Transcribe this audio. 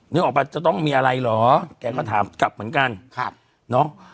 นึกออกป่ะจะต้องมีอะไรเหรอแกก็ถามกลับเหมือนกันครับเนาะ